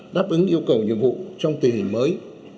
đáp ứng yêu cầu nhiệm vụ trong tình hình mới